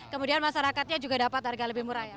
kemudian masyarakatnya juga dapat harga lebih murah ya